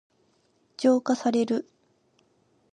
浄化される。